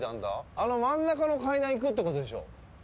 あの真ん中の階段行くってことでしょう？